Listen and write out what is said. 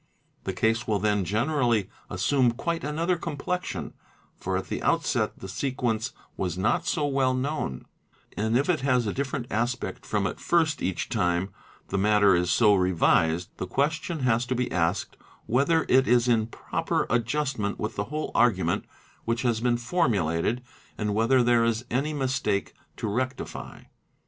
he case will then generally assume quite another complexion, for at the outset the sequence was not so well known; and if it has a different aspect tom at first each time the matter is so revised, the question has to be asked whether it is in proper adjustment with the whole argument which has been formulated and whether there is any mistake to rectify.